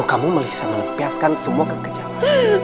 kamu bisa mempias semua kekejaman